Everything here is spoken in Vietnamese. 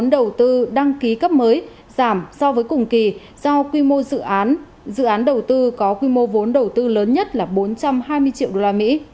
đầu tư đăng ký cấp mới giảm so với cùng kỳ do quy mô dự án đầu tư có quy mô vốn đầu tư lớn nhất là bốn trăm hai mươi triệu usd